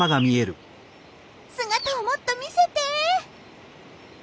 姿をもっと見せて！